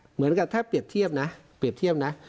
เหมือนกับถ้าเปรียบเทียบนะเปรียบเทียบนะ